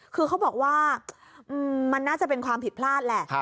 คือเขาบอกว่ามันน่าจะเป็นความผิดพลาดแหละ